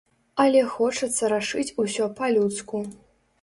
Але хочацца рашыць усё па-людску.